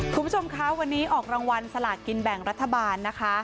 คุณผู้ชมคะวันนี้ออกรางวัลสลากินแบ่งรัฐบาลนะคะ